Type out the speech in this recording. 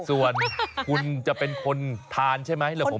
ส่วนคุณจะเป็นคนทานใช่ไหมหรือผมป้อน